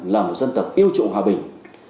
là một dân tộc yêu chuộng hòa bình